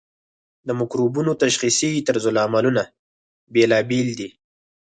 د مکروبونو تشخیصي طرزالعملونه بیلابیل دي.